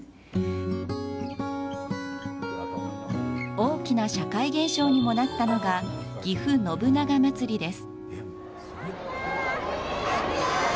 大きな社会現象にもなったのがぎふ信長まつりです。